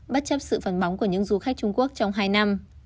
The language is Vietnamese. bất chấp sự phấn bóng của những du khách trung quốc trong hai năm